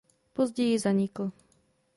Později zanikl.